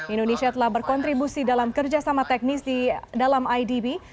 indonesia telah berkontribusi dalam kerjasama teknis di dalam idb